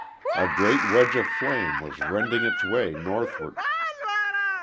A great wedge of flame was rending its way northward.